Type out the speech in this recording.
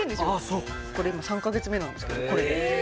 そうこれ今３カ月目なんですけど・え